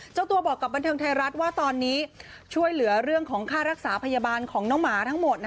เจ้าตัวบอกกับบันเทิงไทยรัฐว่าตอนนี้ช่วยเหลือเรื่องของค่ารักษาพยาบาลของน้องหมาทั้งหมด